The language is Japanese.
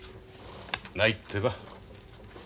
ないってば。